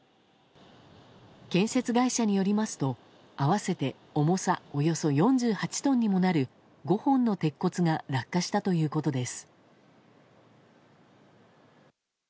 建設会社によりますと合わせて重さおよそ４８トンにもなる５本の鉄骨が落下したということです。